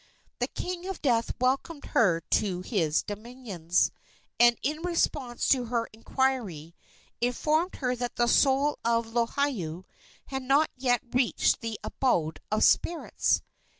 The king of death welcomed her to his dominions, and, in response to her inquiry, informed her that the soul of Lohiau had not yet reached the abode of spirits.